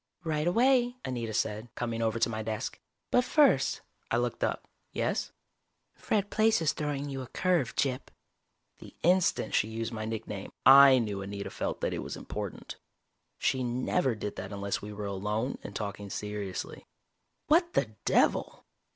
"Right away," Anita said, coming over to my desk. "But first " I looked up. "Yes?" "Fred Plaice is throwing you a curve, Gyp." The instant she used my nickname, I knew Anita felt that it was important. She never did that unless we were alone and talking seriously. "What the devil!"